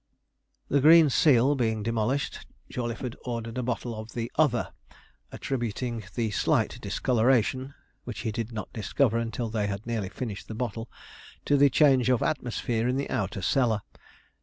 The 'green seal' being demolished, Jawleyford ordered a bottle of the 'other,' attributing the slight discoloration (which he did not discover until they had nearly finished the bottle) to change of atmosphere in the outer cellar.